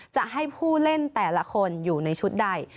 จะให้ผู้เล่นแต่ละคนอยู่ในชุดใด